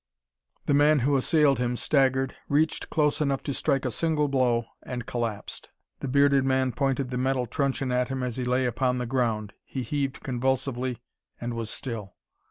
The man who assailed him staggered, reached close enough to strike a single blow, and collapsed. The bearded man pointed the metal truncheon at him as he lay upon the ground. He heaved convulsively, and was still.